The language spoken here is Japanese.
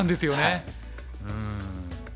うん。